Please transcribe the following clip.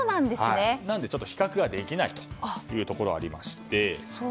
なので比較はできないというところがありまして。